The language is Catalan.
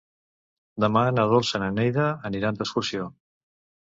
Demà na Dolça i na Neida aniran d'excursió.